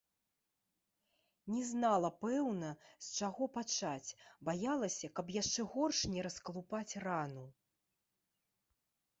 Не знала, пэўна, з чаго пачаць, баялася, каб яшчэ горш не раскалупаць рану.